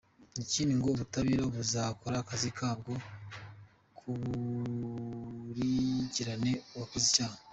Ikindi ngo ubutabera buzakora akazi kabwo, bukurikirane uwakoze ivyaha.